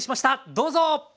どうぞ！